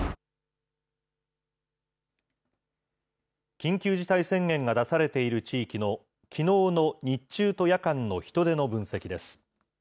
緊急事態宣言が出されている地域の、きのうの日中と夜間の人出の分析です。